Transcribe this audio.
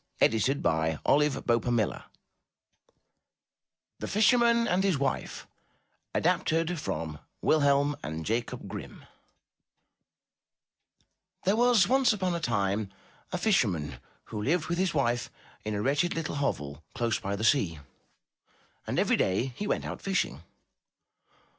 190 UP ONE PAIR OF STAIRS THE FISHERMAN AND HIS WIFE Adapted from Wilhelm and Jacob Grimm There was once upon a tin;e a fisherman who lived with his wife in a wretched little hovel close by the sea, and every day he went out fishing.